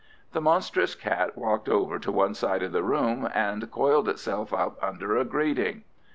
The monstrous cat walked over to one side of the room and coiled itself up under a grating.